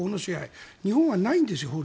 日本はないわけですよ。